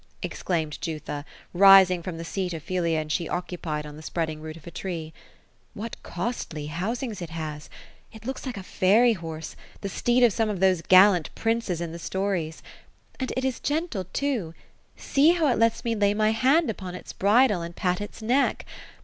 exclaimed Ju tha, rising from the seat Ophelia and she occupied, on the spreading root of a tree ;'^ What costly housings it has I It looks like a fairy horse, — the steed of some of those gallant princes in the stories I And it is gentle, too ; see how it lets me lay my hand upon its bridle, and pat its neck.